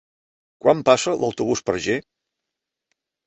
Quan passa l'autobús per Ger?